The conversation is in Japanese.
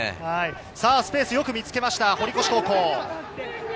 スペースをよく見つけました、堀越高校。